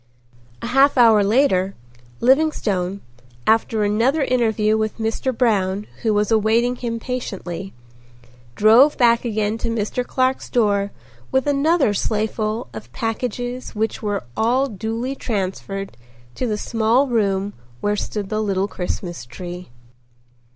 A half hour later, Livingstone, after another interview with Mr. Brown who was awaiting him patiently, drove back again to Mr. Clark's door with another sleighful of packages which were all duly transferred to the small room where stood the little Christmas tree.